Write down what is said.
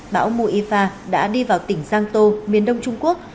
bão moifa đã đi vào tỉnh giang tô miền đông trung quốc